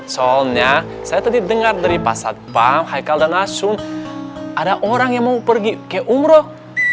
soalnya saya tadi dengar dari pasat pam hai kalda nasyum ada orang yang mau pergi ke umroh